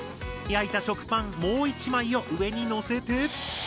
焼いた食パンもう１枚を上にのせて。